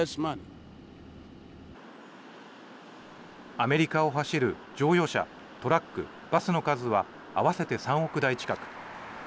アメリカを走る乗用車、トラック、バスの数は合わせて３億台近く。